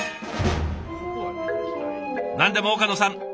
何でも岡野さん